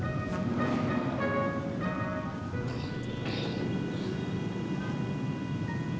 jentolakp ko bun